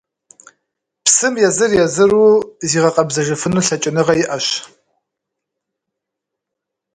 Псым езыр-езыру зигъэкъэбзэжыфыну лъэкӀыныгъэ иӀэщ.